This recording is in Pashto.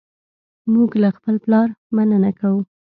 موږ له خپل پلار مننه کوو.